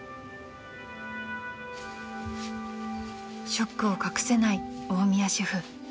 ［ショックを隠せない大宮シェフ］